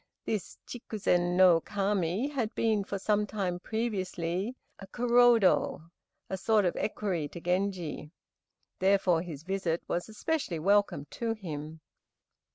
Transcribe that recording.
This Chikzen no Kami had been for some time previously a Kurand (a sort of equerry) to Genji, therefore his visit was especially welcome to him.